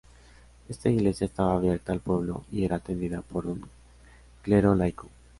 Esta iglesia estaba abierta al pueblo y era atendida por un clero laico.